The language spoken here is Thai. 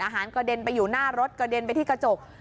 กระเด็นไปอยู่หน้ารถกระเด็นไปที่กระจก